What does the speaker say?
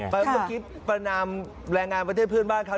ไปคุณคิดประนามแรงงานประเทศเพื่อนบ้านเขา